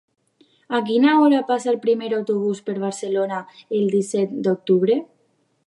A quina hora passa el primer autobús per Barcelona el disset d'octubre?